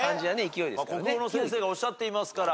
国語の先生がおっしゃっていますから。